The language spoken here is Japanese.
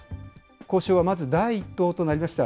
交渉はまず第１党となりました